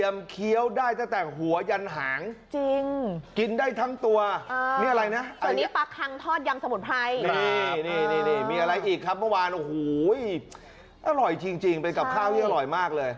มีอะไรอีกครับเมื่อวานอร่อยจริงจริงเป็นกับข้าวนี่อร่อยมากเลย